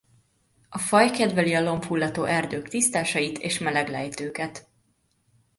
A faj kedveli a lombhullató erdők tisztásait és meleg lejtőket.